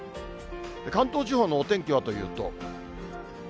関東地方のお天気はというと。